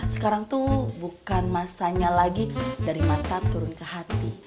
sekarang tuh bukan masanya lagi dari mata turun ke hati